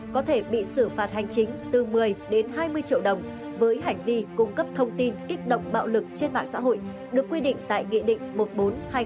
có thể bị xử phạt hành chính từ một mươi đến hai mươi triệu đồng với hành vi cung cấp thông tin kích động bạo lực trên mạng xã hội được quy định tại nghị định một nghìn bốn trăm hai mươi